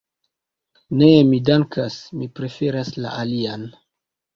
Ne, mi dankas, mi preferas la alian.